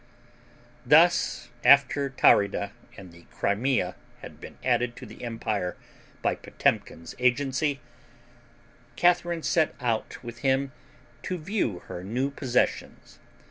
Thus, after Taurida and the Crimea had been added to the empire by Potemkin's agency, Catharine set out with him to view her new possessions.